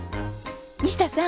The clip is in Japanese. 西田さん。